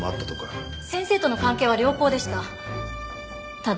先生との関係は良好でした。